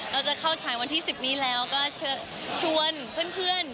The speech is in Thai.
เราจะเข้าฉายวันที่๑๐นี้แล้วก็ชวนเพื่อน